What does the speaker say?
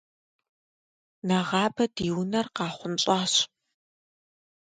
Нэгъабэ ди унэр къахъунщӏащ.